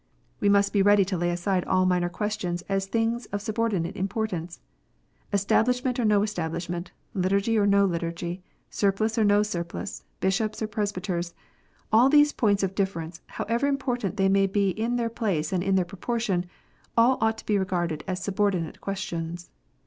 We must be ready to lay aside all minor ques tions as things of subordinate importance. Establishment or no Establishment, Liturgy or no Liturgy, surplice or no sur plice, Bishops or Presbyters, all these points of difference, however important they may be in their place and in their proportion, all ought to be regarded as subordinate questions.